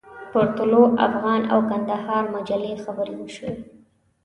پر طلوع افغان او کندهار مجلې خبرې وشوې.